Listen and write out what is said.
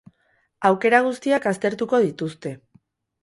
Aukera guztiak aztertuko dituzte.